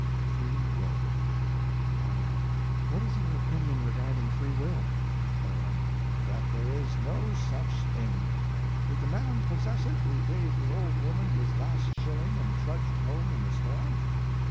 Free Will Y.M. What is your opinion regarding Free Will? O.M. That there is no such thing. Did the man possess it who gave the old woman his last shilling and trudged home in the storm?